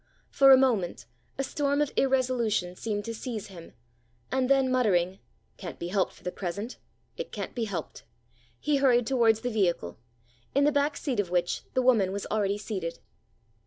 For a moment, a storm of irresolution seemed to seize him, and then muttering, "It can't be helped for the present, it can't be helped," he hurried towards the vehicle, in the back seat of which the woman was already seated.